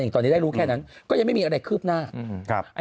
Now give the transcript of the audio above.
ตอนนี้ได้รู้แค่นั้นก็ยังไม่มีอะไรคืบหน้า